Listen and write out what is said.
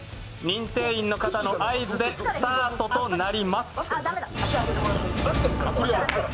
認定員の方の合図でスタートとなります。